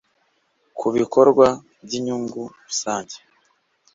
Ku bikorwa by inyungu rusange